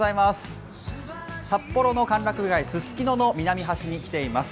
札幌の歓楽街・すすきのの南端に来ています。